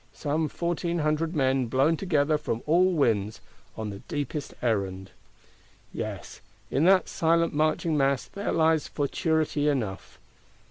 Some Fourteen Hundred Men blown together from all winds, on the deepest errand. Yes, in that silent marching mass there lies Futurity enough.